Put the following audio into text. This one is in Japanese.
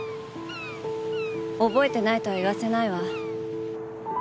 覚えてないとは言わせないわ。